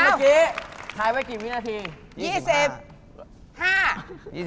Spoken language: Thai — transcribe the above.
เมื่อกี้คลายไว้กี่มินาที